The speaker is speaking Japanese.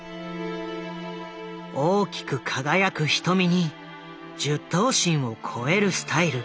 大きく輝く瞳に１０頭身を超えるスタイル。